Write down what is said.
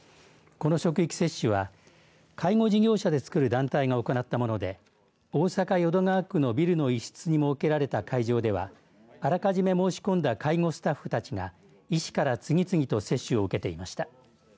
この職域接種は介護事業者でつくる団体が行ったもので大阪淀川区のビルの一室に設けられた会場ではあらかじめ申し込んだ介護スタッフたちが医師から次々と接種を受けていました。